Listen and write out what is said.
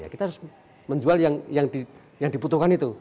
kita harus menjual yang dibutuhkan itu